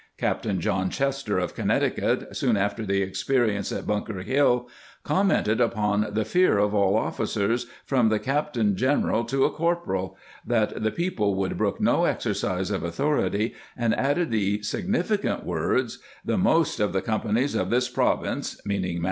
Captain John Chester, of Connecticut, soon after the experience at Bunk er Hill, commented upon the fear of all officers, " from the Cap' General to a corporal," that the people would brook no exercise of authority,— and added the significant words :" The most of the companies of this Province [meaning Massa 1 Washington's Writings (Ford), vol.